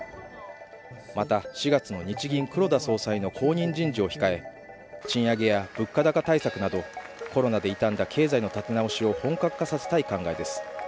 また４月の日銀黒田総裁の後任人事を控え賃上げや物価高対策など、コロナで痛んだ経済の立て直しを本格化させたい考えです。